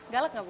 galak gak ibu